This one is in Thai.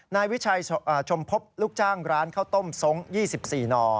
นายวิชัยชมพบลูกจ้างร้านข้าวต้มทรง๒๔หน่อ